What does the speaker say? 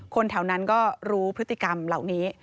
คนแถวนั้นก็รู้พฤติกรรมเหล่านี้